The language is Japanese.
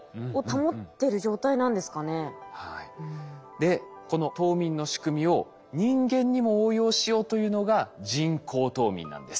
でこの冬眠の仕組みを人間にも応用しようというのが人工冬眠なんです。